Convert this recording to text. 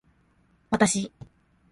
私